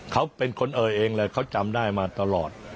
เขาเป็นคนเอ่ยเองเลยเขาจำได้มาตลอด